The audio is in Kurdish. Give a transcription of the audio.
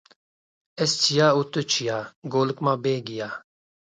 Ez çiya û tu çiya, golik ma bê gîya